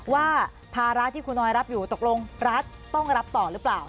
ว่าภาระที่คุณออยรับอยู่ตกลงรัฐต้องรับต่อหรือเปล่า